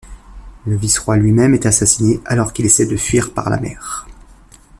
Le vice-roi lui-même est assassiné alors qu'il essaie de fuir par la mer.